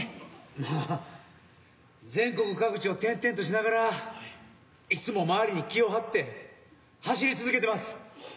まあ全国各地を転々としながらいつも周りに気を張って走り続けてます。